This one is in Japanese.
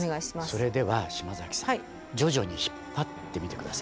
それでは島崎さん徐々に引っ張ってみて下さい。